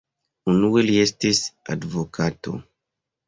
Unue li estis advokato.